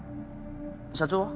社長は？